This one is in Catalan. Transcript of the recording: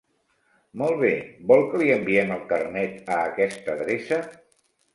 Molt bé, vol que li enviem el Carnet a aquesta adreça?